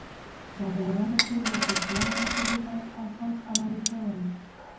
بابلیان اصول د سلسله مراتبو پر اساس عملي کول.